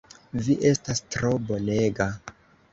Vi estas tro bonega!